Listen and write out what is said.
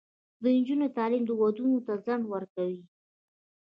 د نجونو تعلیم ودونو ته ځنډ ورکوي.